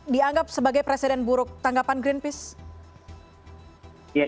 dianggap sebagai presiden buruk tanggapan greenpeace